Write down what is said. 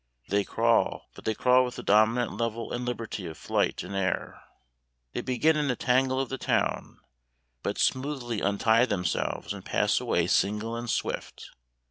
They crawl, but they crawl with the dominant level and liberty of flight in air. They begin in the tangle of the town, but smoothly untie themselves and pass away single and swift.